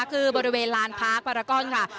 คือบริเวณลานพาร์คพารากอนค่ะ